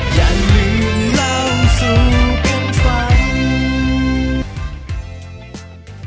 อย่าลืมเล่าสู่กันฟัง